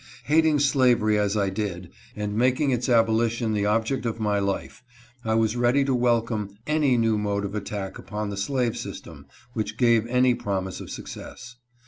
Hating slavery as I did, and making its abolition the object of my life, I was ready to welcome any new mode of attack upon the slave system which gave any promise of success.